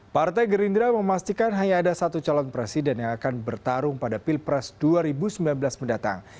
partai gerindra memastikan hanya ada satu calon presiden yang akan bertarung pada pilpres dua ribu sembilan belas mendatang